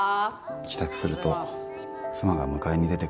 帰宅すると妻が迎えに出てくれて。